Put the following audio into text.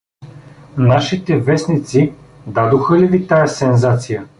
Нашите вестници дадоха ли ви тая сензация?